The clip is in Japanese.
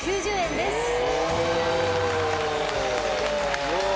すごい！